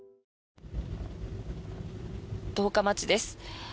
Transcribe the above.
十日町です。